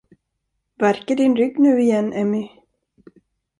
Värker din rygg nu igen, Emmy?